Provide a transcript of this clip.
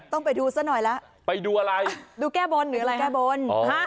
ต้องไปดูสักหน่อยแล้วไปดูอะไรดูแก้บนหรืออะไรแก้บน